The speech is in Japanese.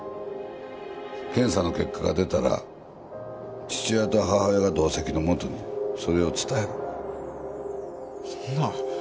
検査の結果が出たら父親と母親が同席のもとにそれを伝えるそんな